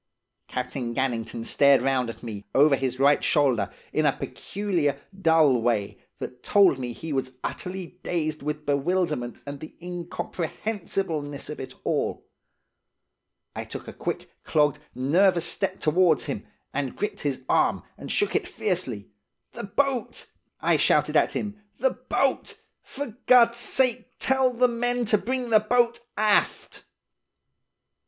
"Captain Gannington stared round at me, over his right shoulder, in a peculiar, dull way, that told me he was utterly dazed with bewilderment and the incomprehensibleness of it all. I took a quick, clogged, nervous step towards him, and gripped his arm, and shook it fiercely. 'The boat!' I shouted at him. 'The boat! For God's sake, tell the men to bring the boat aft!